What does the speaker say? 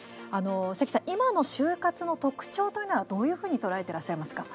関さん、今の就活の特徴というのはどういうふうに捉えてらっしゃいますか？